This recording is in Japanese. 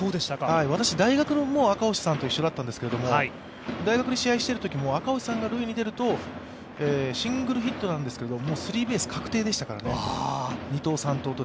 私、大学も赤星さんと一緒だったんですけれども、大学で試合しているときも、赤星さんが塁に出ると、シングルヒットなのにスリーベース確定でしたからね、二盗、三盗と。